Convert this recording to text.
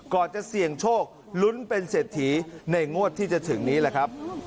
จะเสี่ยงโชคลุ้นเป็นเศรษฐีในงวดที่จะถึงนี้แหละครับ